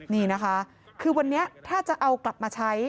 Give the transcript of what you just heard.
นี่นะคะคือวันนี้ถ้าจะเอากลับมาใช้